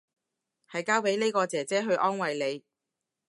係交俾呢個姐姐去安慰你